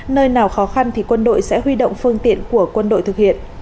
nơi nào khó khăn thì quân đội sẽ huy động phương tiện của quân đội thực hiện